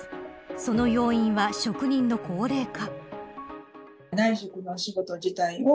その要因は職人の高齢化。